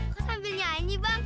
kok sambil nyanyi bang